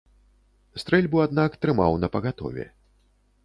Стрэльбу, аднак, трымаў напагатове.